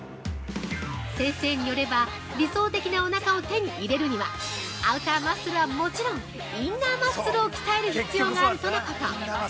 先生によれば理想的なおなかを手に入れるにはアウターマッスルはもちろんインナーマッスルを鍛える必要があるとのこと。